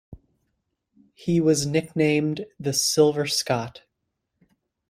He was nicknamed The Silver Scot.